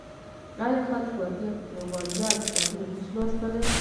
آیا خلک وړیا کتابونه نشي لوستلی؟